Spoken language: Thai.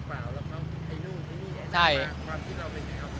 ความที่เราเป็นไงครับ